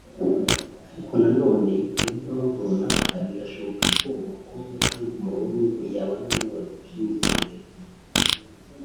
Ariko nanone bitewe n’impamvu runaka birashoboka ko umukobwa/umuhungu yabana n’uwo badahuje imyizerere